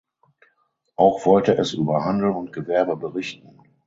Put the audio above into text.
Auch wollte es über Handel und Gewerbe berichten.